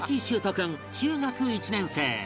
君中学１年生